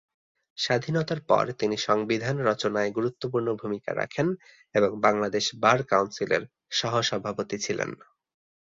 স্বাধীনতার পর তিনি সংবিধান রচনায় গুরুত্বপূর্ণ ভূমিকা রাখেন এবং বাংলাদেশ বার কাউন্সিলের সহ-সভাপতি ছিলেন।